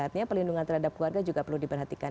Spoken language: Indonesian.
artinya pelindungan terhadap keluarga juga perlu diperhatikan